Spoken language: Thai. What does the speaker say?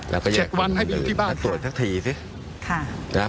แล้วก็เช็คเวาะให้มันอยู่ที่บ้าน